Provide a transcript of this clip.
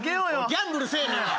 ギャンブルせえへんわ！